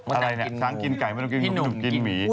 อะไรเนี่ยช้างกินไก่ไม่ต้องกินจุกกินหมี